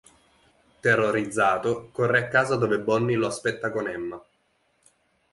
Terrorizzato, corre a casa dove Bonnie lo aspetta con Emma.